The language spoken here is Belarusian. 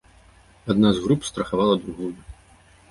Адна з груп страхавала другую.